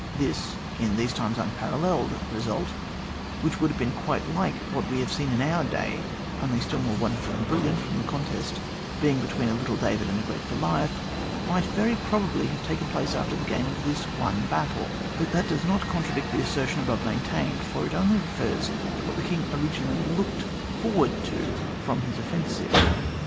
This, in these times, un paralleled result, which would have been quite like what we have seen in our day, only still more wonderful and brilliant from the contest being be tween a little David and a great Goliath, might very probably have taken place after the gain of this one battle ; but that does not contradict the assertion above maintained, for it only refers to what the king originally looked forward to from his offensive.